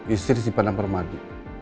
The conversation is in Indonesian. istri sipanang permadi